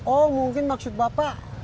oh mungkin maksud bapak